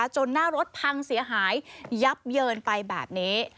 หน้ารถพังเสียหายยับเยินไปแบบนี้